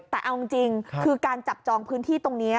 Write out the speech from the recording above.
แต่เอาจริงคือการจับจองพื้นที่ตรงนี้